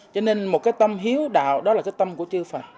cho nên một cái tâm hiếu đạo đó là cái tâm của chư phật